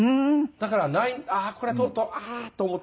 だからああこれはとうとうああーと思って。